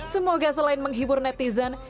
semoga selain menghibur netizen